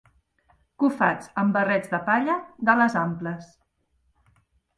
Cofats amb barrets de palla d'ales amples